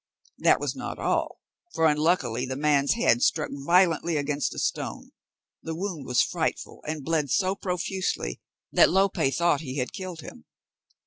That was not all, for, unluckily, the man's head struck violently against a stone; the wound was frightful, and bled so profusely, that Lope thought he had killed him.